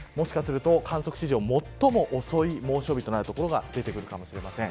もしかすると観測史上最も遅い猛暑日となる所が出てくるかもしれません。